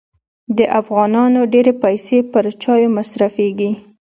د افغانانو ډېري پیسې پر چایو مصرفېږي.